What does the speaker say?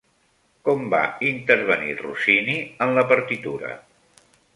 Com va intervenir Rossini en la partitura?